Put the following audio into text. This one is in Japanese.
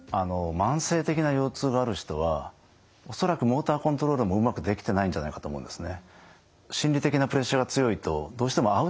慢性的な腰痛がある人は恐らくモーターコントロールもうまくできてないんじゃないかと思うんですね。